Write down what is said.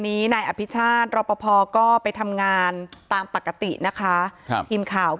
หิมข่าวก็เลยไปทำงานตามปกตินะคะ